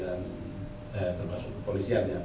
eh termasuk kepolisian ya